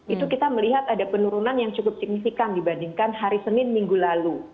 itu kita melihat ada penurunan yang cukup signifikan dibandingkan hari senin minggu lalu